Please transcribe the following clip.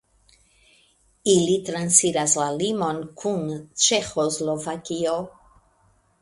Ili transiras la limon kun Ĉeĥoslovakio.